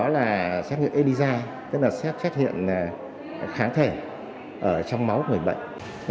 là xét nghiệm elisa tức là xét nghiệm kháng thể trong máu người bệnh